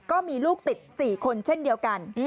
ก็มีลูกติด๔คนเช่นเดียวกัน